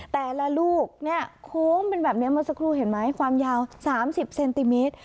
แต่ละลูกเนี่ยโค้งเป็นแบบนี้เมื่อสักครู่เห็นไหมความยาว๓๐เซนติเมตร